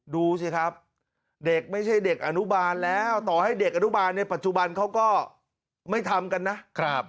ดูสิครับเด็กไม่ใช่เด็กอนุบาลแล้วต่อให้เด็กอนุบาลในปัจจุบันเขาก็ไม่ทำกันนะครับ